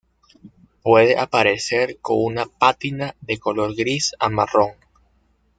Puede aparecer con una pátina de color gris a marrón.